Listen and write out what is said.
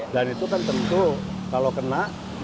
dan itu kan tentu kalau kena